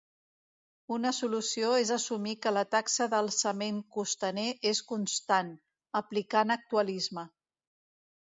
Una solució és assumir que la taxa d'alçament costaner és constant, aplicant actualisme.